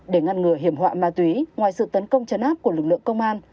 để ngăn ngừa hiểm họa ma túy ngoài sự tấn công chấn áp của lực lượng công an